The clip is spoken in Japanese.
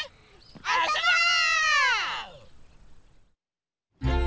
あそぼう！